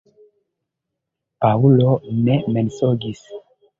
Paŭlo ne mensogis.